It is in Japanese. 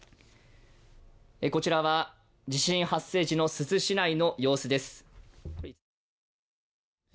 こちらは地震発生時の珠洲市内の様子です。